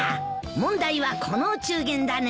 問題はこのお中元だね。